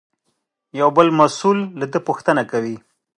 یو بل مسوول له ده پوښتنه کوي.